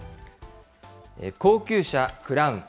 高級車、クラウン。